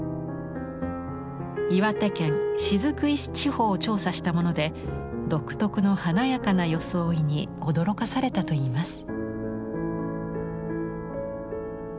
岩手県雫石地方を調査したもので独特の華やかな装いに驚かされたといいます。